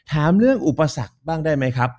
ถามเรื่องอุปสรรคบ้างได้ไหมครับ